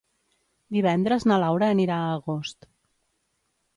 Divendres na Laura anirà a Agost.